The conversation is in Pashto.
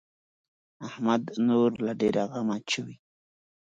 احمد نور له ډېره غمه چويي.